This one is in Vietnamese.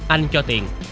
anh cho tiền